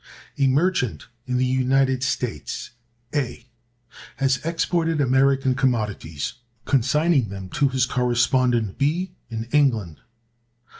A merchant in the United States, A, has exported American commodities, consigning them to his correspondent, B, in England.